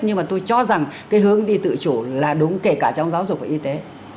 nhưng mà tôi cho rằng cái hướng đi tự chủ là đúng kể cả trong giáo dục và y tế